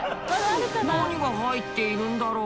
何が入っているんだろう？